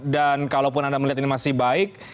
dan kalaupun anda melihat ini masih baik